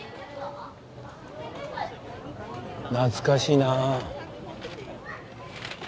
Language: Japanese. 懐かしいなぁ。